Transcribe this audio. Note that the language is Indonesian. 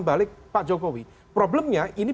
balik pak jokowi problemnya ini